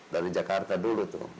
dari jakarta dulu tuh